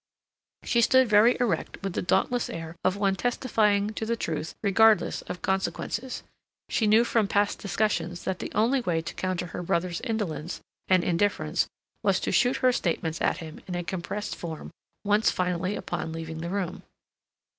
She stood very erect with the dauntless air of one testifying to the truth regardless of consequences. She knew from past discussions that the only way to counter her brother's indolence and indifference was to shoot her statements at him in a compressed form once finally upon leaving the room.